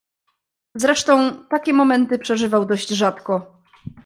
"Zresztą takie momenty przeżywał dość rzadko."